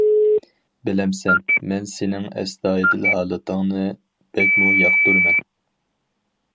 بىلەمسەن، مەن سېنىڭ ئەستايىدىل ھالىتىڭنى بەكمۇ ياقتۇرىمەن.